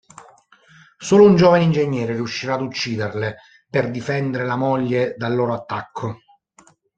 Solo un giovane ingegnere riuscirà ad ucciderle per difendere la moglie dal loro attacco.